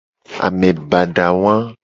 Ame bada wa.